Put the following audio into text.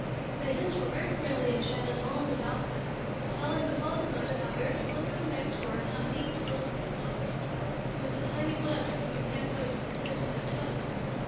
The Hens were very friendly and chatted long about them, telling the fond mother how very slender their necks were and how neat their little feet looked, with the tiny webs coming half way to the tips of their toes.